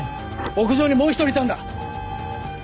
屋上にもう１人いたんだ。